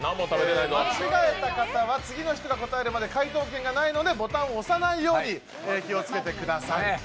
間違えた方は次の人が答えるまで解答権がないのでボタンを押さないように気をつけてください。